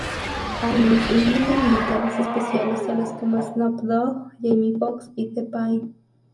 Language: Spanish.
Además, incluye invitados especiales tales como Snoop Dogg, Jamie Foxx y T-Pain.